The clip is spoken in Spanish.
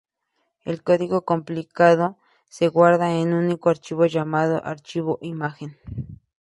El código compilado se guarda en un único archivo llamado archivo imagen.